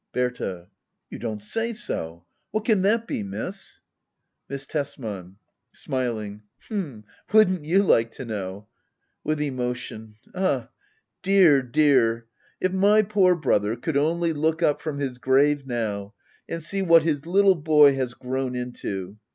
Berta. You don't say so I What can that be. Miss } Miss Tesbian. JSmiUng,] H'm — wouldn't you like to know ![ Jritk emotion,] Ah, dear dear — ^if my poor brother could only look up from his grave now, and see what his little boy has grown into